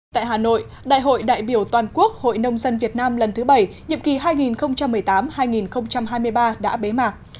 tại hà nội đại hội đại biểu toàn quốc hội nông dân việt nam lần thứ bảy nhiệm kỳ hai nghìn một mươi tám hai nghìn hai mươi ba đã bế mạc